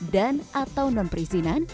dan atau non perizinan